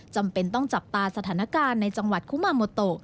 จำเป็นต้องจับตาสถานการณ์ในจังหวัดคุมาโมโต